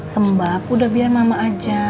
sembah udah biar mama aja